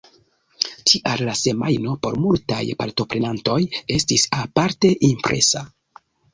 Tial la semajno por multaj partoprenantoj estis aparte impresa.